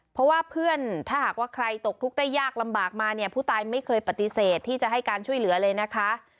เพราะว่าเพื่อนถ้าหากว่าใครตกทุกข์ได้ยากลำบากมาเนี่ยผู้ตายไม่เคยปฏิเสธที่จะให้การช่วยเหลือเลยนะคะ